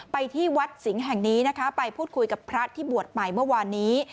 ไปที่วัดสิงห์แห่งนี้นะคะไปพูดคุยกับพระที่บวชใหม่เมื่อวานนี้